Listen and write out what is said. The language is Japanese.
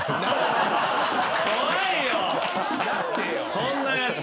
そんなやつ。